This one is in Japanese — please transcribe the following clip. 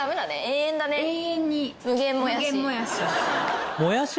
永遠に。